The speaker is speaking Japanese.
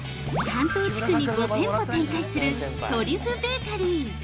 ◆関東地区に５店舗展開するトリュフベーカリー。